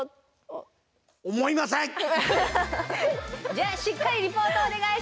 じゃあしっかりリポートお願いします。